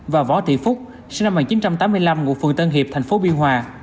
và võ thị phúc sinh năm một nghìn chín trăm tám mươi năm ngụ phường tân hiệp thành phố biên hòa